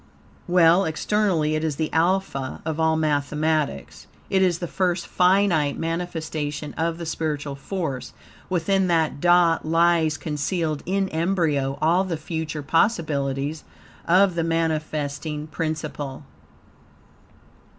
Well, externally it is the alpha of all mathematics. It is the first finite manifestation of the spiritual force. Within that dot lies concealed, in embryo, all the future possibilities of the manifesting principle.